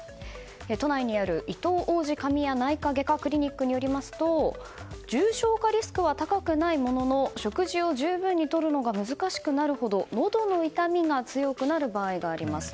都内にある、いとう王子神谷内科外科クリニックによりますと重症化リスクは高くないものの食事を十分にとるのが難しくなるほど、のどの痛みが強くなる場合があります。